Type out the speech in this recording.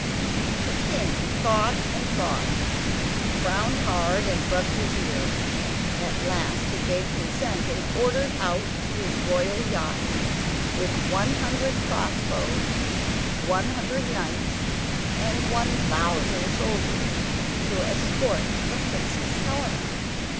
The king thought and thought, frowned hard and rubbed his ear. At last he gave consent, and ordered out his royal yacht, with 100 cross bows, 100 knights, and 1,000 soldiers, to escort the Princess Helena.